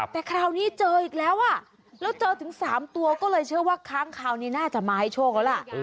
แต่คราวนี้เจออีกแล้วอ่ะแล้วเจอถึง๓ตัวก็เลยเชื่อว่าค้างคราวนี้น่าจะมาให้โชคแล้วล่ะ